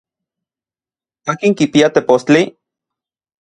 ¿Akin kipia tepostli?